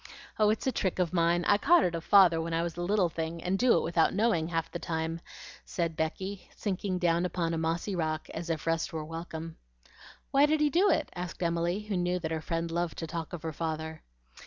"Oh, it's a trick of mine; I caught it of Father when I was a little thing, and do it without knowing it half the time," said Becky, sinking down upon a mossy rock, as if rest were welcome. "Why did he do it?" asked Emily, who knew that her friend loved to talk of her father.